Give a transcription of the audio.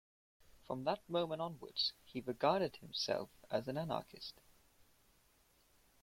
From that moment onwards, he regarded himself as an anarchist.